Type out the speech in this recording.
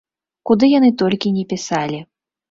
Куды яны толькі ні пісалі.